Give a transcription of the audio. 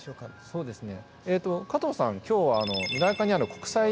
そうですね。